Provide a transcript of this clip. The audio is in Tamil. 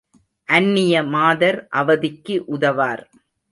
அந்நிய மாதர் அவதிக்கு உதவார்.